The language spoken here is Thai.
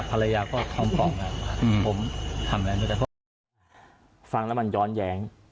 ภรรยาก็ท้องปล่องอื้อผมทำอะไรไม่ได้ฟังแล้วมันย้อนแย้ง